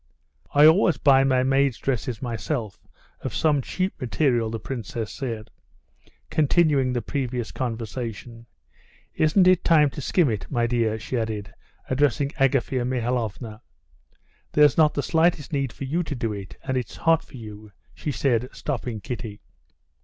"I always buy my maids' dresses myself, of some cheap material," the princess said, continuing the previous conversation. "Isn't it time to skim it, my dear?" she added, addressing Agafea Mihalovna. "There's not the slightest need for you to do it, and it's hot for you," she said, stopping Kitty.